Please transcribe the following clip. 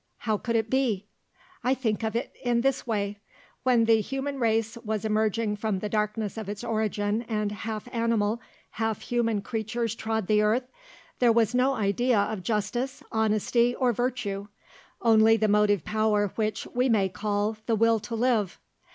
"How could it be?" "I think of it in this way. When the human race was emerging from the darkness of its origin and half animal, half human creatures trod the earth, there was no idea of justice, honesty, or virtue, only the motive power which we may call the 'will to live.'